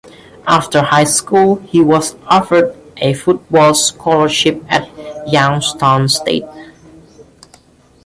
After high school, he was offered a football scholarship at Youngstown State.